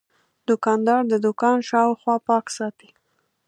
دوکاندار د دوکان شاوخوا پاک ساتي.